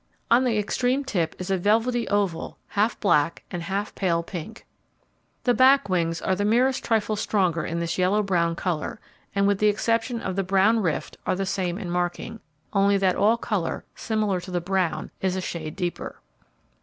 On the extreme tip is a velvety oval, half black and half pale pink. The back wings are the merest trifle stronger in this yellow brown colour, and with the exception of the brown rift are the same in marking, only that all colour, similar to the brown, is a shade deeper.